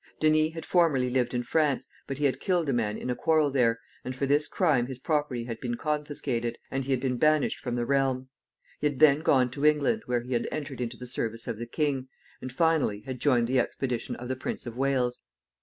Denys had formerly lived in France, but he had killed a man in a quarrel there, and for this crime his property had been confiscated, and he had been banished from the realm. He had then gone to England, where he had entered into the service of the king, and, finally, had joined the expedition of the Prince of Wales.